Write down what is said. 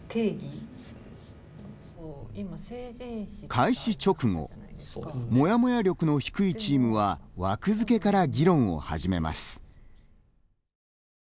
開始直後モヤモヤ力の低いチームは枠づけから、議論を始めます。